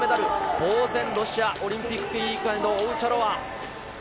ぼう然、ロシアオリンピック委員会のオウチャロワ。